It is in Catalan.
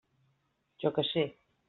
Jo què sé!